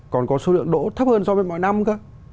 còn có số lượng đỗ thấp hơn so với mọi năm cơ